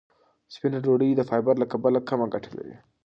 سپینه ډوډۍ د فایبر له کبله کمه ګټه لري.